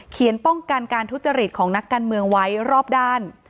ป้องกันการทุจริตของนักการเมืองไว้รอบด้าน